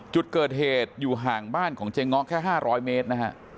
จุดเกิดเหตุอยู่ห่างบ้านของเจ๊ง้อแค่๕๐๐เมตรนะฮะ